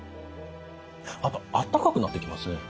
あとあったかくなってきますね。